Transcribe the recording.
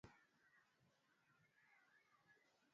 na kusabisha rais ben ali kutorokea nchini saudi arabia